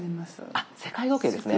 あっ世界時計ですね。